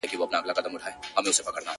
• نړوم غرونه د تمي، له اوږو د ملایکو.